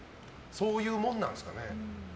そういうものなんですかね。